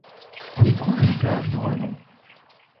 On y trouve une plage de renom.